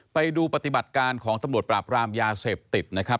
ไปดูปฏิบัติการของตำรวจปราบรามยาเสพติดนะครับ